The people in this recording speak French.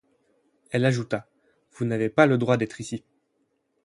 Elle ajouta: — Vous n’avez pas le droit d’être ici.